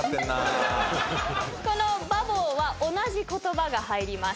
この「バボ」は同じ言葉が入ります。